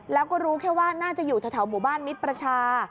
แล้วก็รู้แค่ว่าน่าจะอยู่แถวหมู่บ้านมิตรประชา